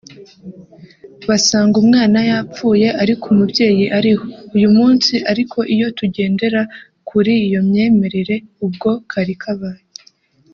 basanga umwana yapfuye ariko umubyeyi ariho uyu munsi ariko iyo tugendera kuri iyo myemerere ubwo kari kabaye